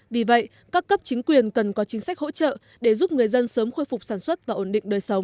vì vậy các cấp chính quyền cần có chính sách hỗ trợ để giúp người dân sớm khôi phục sản xuất và ổn định đời sống